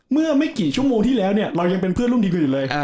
เมื่อไม่กี่ชั่วโมงที่แล้วเนี่ยเรายังเป็นเพื่อนรุ่นดีคนอื่นเลย